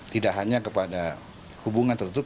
tidak hanya kepada hubungan tertutup